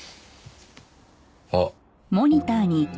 あっ。